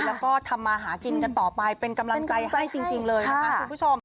แล้วก็ทำมาหากินกันต่อไปเป็นกำลังใจให้จริงเลยนะคะคุณผู้ชม